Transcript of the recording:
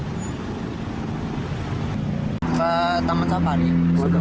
perjalanan ke jawa tenggara